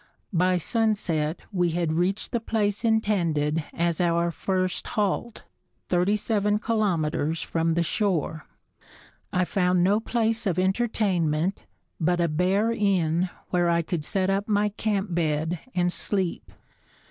By sunset we had reached the place intended as our first halt, thirty seven kilometers from the shore. I found no place of entertainment but a bare inn where I could set up my camp bed and sleep.